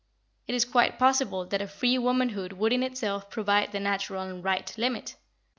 It is quite possible that a free womanhood would in itself provide the natural and right limit.